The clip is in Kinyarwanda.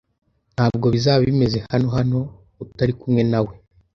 Ntabwo bizaba bimeze hano hano utari kumwe nawe.